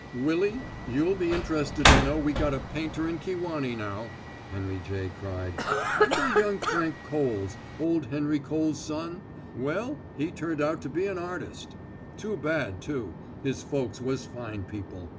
"Willy, you'll be interested to know we got a painter in Kewanee now," Henry J. cried. "'Member young Frank Coales old Henry Coales' son? Well, he turned out to be an artist. Too bad, too; his folks was fine people.